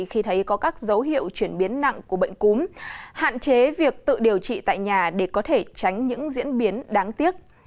khi thấy có các dấu hiệu chuyển biến nặng của bệnh cúm hạn chế việc tự điều trị tại nhà để có thể tránh những diễn biến đáng tiếc